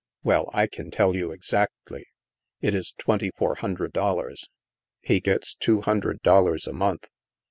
" Well, I can tell you exactly. It is twenty four hundred dollars. He gets two hundred dollars a month."